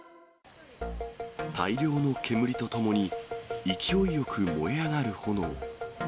大量の煙とともに、勢いよく燃え上がる炎。